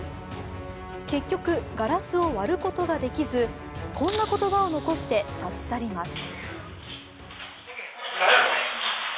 結局、ガラスを割ることができずこんな言葉を残して立ち去ります。